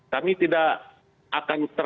kami tidak akan